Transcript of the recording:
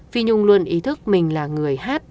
phi nhung luôn ý thức mình là người hát